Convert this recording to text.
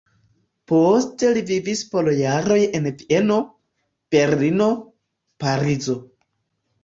Poste li vivis por jaroj en Vieno, Berlino, Parizo.